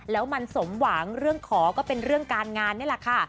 แล้วมันสมหวังเรื่องขอก็เป็นเรื่องการงานนี่แหละค่ะ